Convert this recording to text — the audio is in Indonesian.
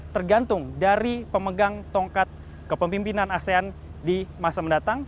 tergantung dari pemegang tongkat kepemimpinan asean di masa mendatang